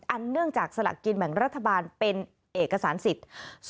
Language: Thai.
เนื่องจากสลักกินแบ่งรัฐบาลเป็นเอกสารสิทธิ์